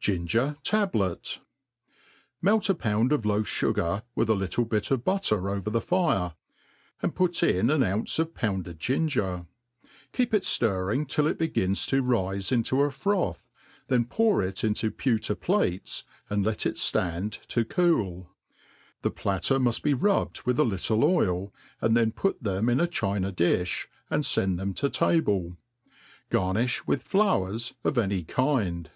Ginger Tablet. MELT a pound of loaf fugar with a little bit of butter over the fire, and put in an ounce of pounded ginger ; keep It ftir * ring till it begins to rife into a froth, then pour it into pewter plates, and let it ftand to cool. The platter muft be rubbed with a little oil, and then put them in a china did], and fend them to table* Garnifh with flowefs of any kind.